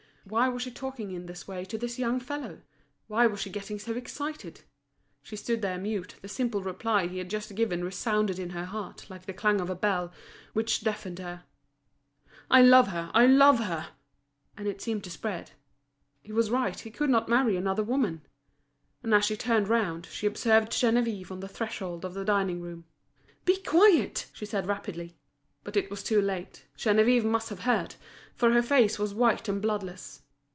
Why was she talking in this way to this young fellow? Why was she getting so excited? She stood there mute, the simple reply he had just given resounded in her heart like the clang of a bell, which deafened her. "I love her, I love her!" and it seemed to spread. He was right, he could not marry another woman. And as she turned round, she observed Geneviève on the threshold of the dining room. "Be quiet!" she said rapidly. But it was too late, Geneviève must have heard, for her face was white and bloodless.